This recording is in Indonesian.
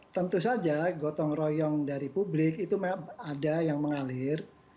tentu saja gotong royong dari publik itu ada yang mengalir